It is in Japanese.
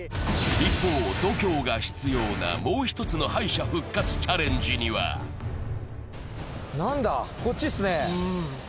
一方、度胸が必要なもう一つの敗者復活チャレンジにはなんだ、こっちっすね。